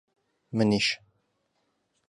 منیش!